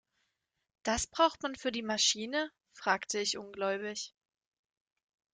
Das braucht man für die Maschine?, fragte ich ungläubig.